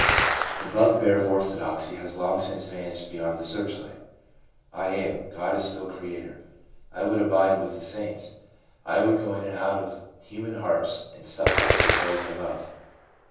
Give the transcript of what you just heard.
The bugbear of orthodoxy has long since vanished beyond the searchlight " I am." God is still creator. ... I would abide with the saints, I would go in and out of human hearts and sup with those I love.